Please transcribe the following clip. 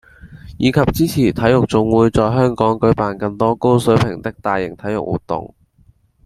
以及支持體育總會在香港舉辦更多高水平的大型體育活動